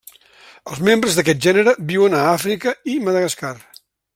Els membres d'aquest gènere viuen en Àfrica i Madagascar.